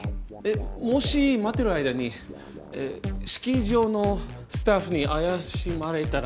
もし待ってる間に式場のスタッフに怪しまれたら？